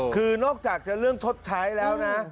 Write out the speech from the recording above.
คือนอกจากจะเรื่องชดใช้แล้วนะ